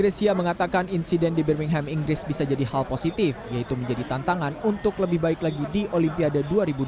grecia mengatakan insiden di birmingham inggris bisa jadi hal positif yaitu menjadi tantangan untuk lebih baik lagi di olimpiade dua ribu dua puluh